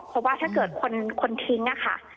เพราะว่าถ้าเกิดคนทิ้งนะคะ